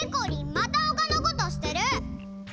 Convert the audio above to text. またほかのことしてる！